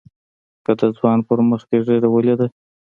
که د ځوان پر مخ دې ږيره وليده.